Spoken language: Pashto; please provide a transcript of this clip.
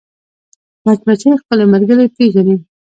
مچمچۍ خپلې ملګرې پېژني